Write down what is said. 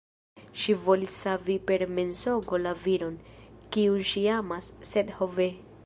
Ŝi volis savi per mensogo la viron, kiun ŝi amas; sed ho ve!